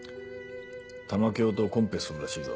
玉響とコンペするらしいぞ。